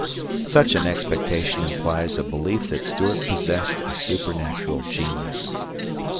Such an expectation implies a belief that Stuart possessed a supernatural genius.